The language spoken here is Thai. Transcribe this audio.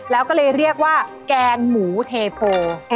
แล้วก็เลยเรียกว่าแกงหมูเทโพ